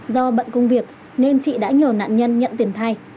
do bận công việc nên chị đã nhờ nạn nhân nhận tiền thay